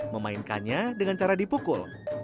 memainkannya dengan cara dipukul